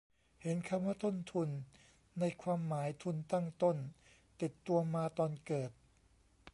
เห็นคำว่า "ต้นทุน" ในความหมาย "ทุนตั้งต้น" ติดตัวมาตอนเกิด